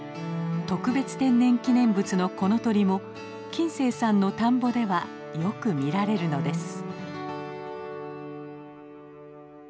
特別天然記念物のこの鳥も金星さんの田んぼではよく見られるのです。